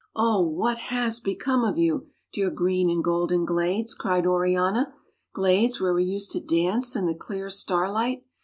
" Oh, what has become of you, dear green and golden glades?" cried Oriana, — "glades where we used to dance in the clear starlight